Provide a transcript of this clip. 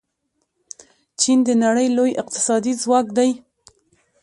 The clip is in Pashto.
چین د نړۍ لوی اقتصادي ځواک دی.